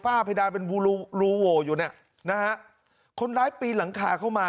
ก็จัดกระจายเลยฝ้าเพดานเป็นอยู่น่ะนะฮะคนร้ายปีนหลังคาเข้ามา